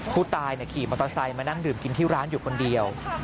ผู้ตายขี่มอเตอร์ไซค์มานั่งดื่มกินที่ร้านอยู่คนเดียว